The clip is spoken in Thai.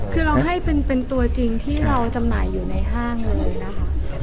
คือเราให้เป็นตัวจริงที่เราจำหน่ายอยู่ในห้างเลยนะคะ